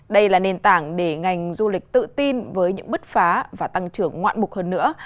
đây là nền tảng để ngành du lịch tự tin với những bứt phá và tăng trưởng ngoạn mục hơn nữa